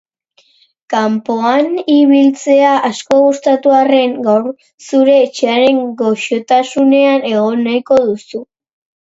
Kanpoan ibiltzea asko gustatu arren, gaur zure etxearen goxotasunean egon nahiko duzu.